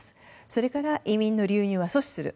それから移民の流入は阻止する。